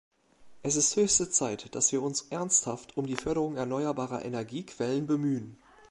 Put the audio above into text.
Es ist höchste Zeit, dass wir uns ernsthaft um die Förderung erneuerbarer Energiequellen bemühen.